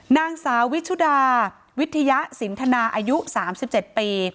นางสาววิชุดาวิทยาสินทนาอายุ๓๗ปี